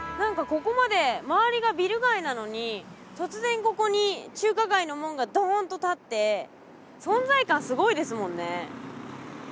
ここまで周りがビル街なのに突然ここに中華街の門がドーンと立って存在感すごいですもんね